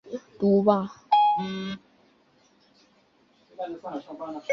领宣府等十县。